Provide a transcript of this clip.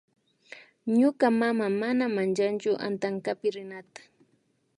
Ñuka mama mana manchanchu antankapi rinata